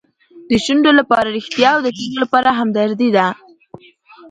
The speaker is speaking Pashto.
د شونډو لپاره ریښتیا او د سترګو لپاره همدردي ده.